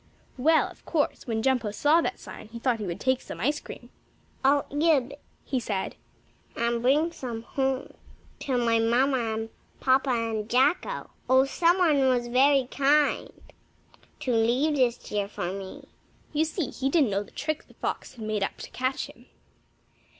Well, of course, when Jumpo saw that sign he thought he would take some cream. "I'll eat a bit," he said, "and bring some home to my mamma and papa and Jacko. Oh, some one was very kind to leave this here for me." You see, he didn't know the trick the fox had made up to catch him.